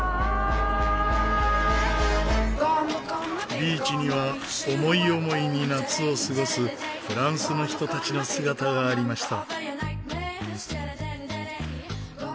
ビーチには思い思いに夏を過ごすフランスの人たちの姿がありました。